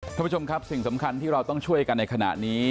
ท่านผู้ชมครับสิ่งสำคัญที่เราต้องช่วยกันในขณะนี้